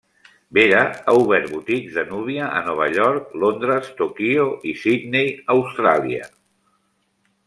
Vera ha obert boutiques de núvia a Nova York, Londres, Tòquio i Sydney, Austràlia.